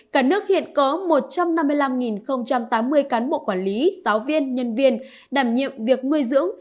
cả nước hiện có một trăm năm mươi năm tám mươi cán bộ quản lý giáo viên nhân viên đảm nhiệm việc nuôi dưỡng